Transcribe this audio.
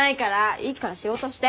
いいから仕事して！